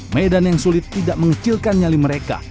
medan yang sulit tidak mengecilkan nyali mereka